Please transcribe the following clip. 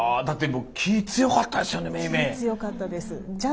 だって気い強かったですよね